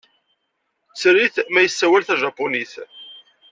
Tter-it ma yessawal tajapunit.